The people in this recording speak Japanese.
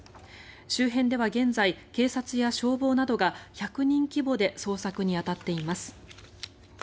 周辺では現在、警察や消防などが１００人規模で捜索に当たっています。